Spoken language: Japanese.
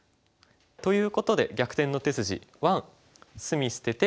ということで「逆転の手筋１」。